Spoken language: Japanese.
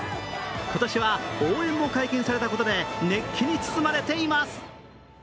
今年は応援も解禁されたことで熱気に包まれています。